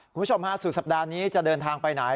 คุณผู้ชมฮะสุดสัปดาห์นี้จะเดินทางไปไหน